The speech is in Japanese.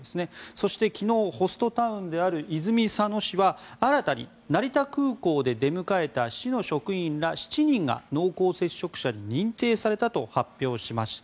そして、昨日ホストタウンである泉佐野市は新たに、成田空港で出迎えた市の職員ら７人が濃厚接触者に認定されたと発表しました。